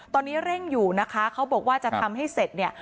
ตอนนี้เร่งอยู่นะคะเขาบอกว่าจะทำให้เสร็จเนี่ย